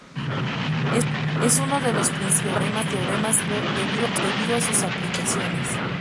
Es uno de los principales teoremas en cálculo debido a sus aplicaciones.